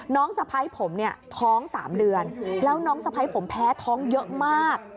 น้องสะไพรผมท้อง๓เดือนแล้วน้องสะไพรผมแพ้ท้องเยอะมาก